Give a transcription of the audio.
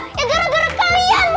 kok gara gara incesly ya